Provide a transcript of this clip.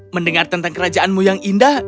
mendengar tentang kerajaanmu yang indah